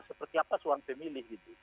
seperti apa suara pemilih gitu